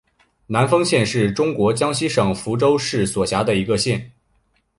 南丰县是中国江西省抚州市所辖的一个县。